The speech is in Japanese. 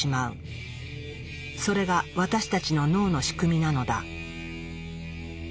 それが私たちの脳の仕組みなのだ。